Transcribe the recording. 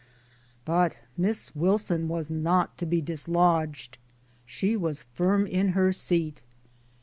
But Miss Wilson was not to be dislodged ; she was firm in her seat.